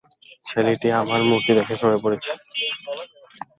ছেলেটা আমার মূর্তি দেখে সরে পড়েছে।